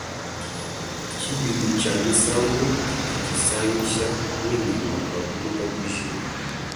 Tshibilu tshia misambu tshidi tshisangisha tungimba tua buloba bujima.